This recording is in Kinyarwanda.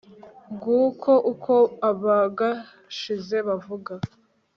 nguko uko abagashize bavuga